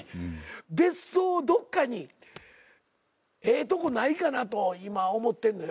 別荘をどっかにええとこないかなと今思ってんのよ。